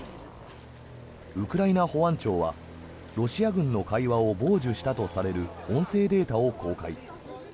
ウクライナ保安庁はロシア軍の会話を傍受したとされる音声データを公開。